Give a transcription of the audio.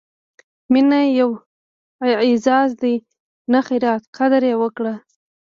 مینه یو اعزاز دی، نه خیرات؛ قدر یې وکړئ!